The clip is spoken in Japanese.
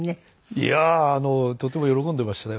いやあとても喜んでましたよ。